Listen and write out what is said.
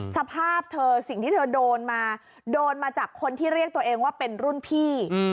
สภาพเธอสิ่งที่เธอโดนมาโดนมาจากคนที่เรียกตัวเองว่าเป็นรุ่นพี่